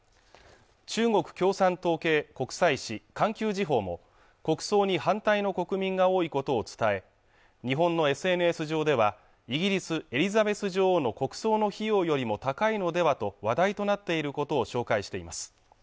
中国共産党系国際紙「環球時報」も国葬に反対の国民が多いことを伝え日本のＳＮＳ上ではイギリス・エリザベス女王の国葬の費用よりも高いのではと話題となっていることを紹介しています